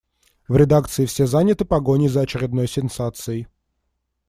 В редакции все заняты погоней за очередной сенсацией.